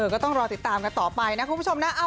ก็ต้องรอติดตามกันต่อไปนะคุณผู้ชมนะ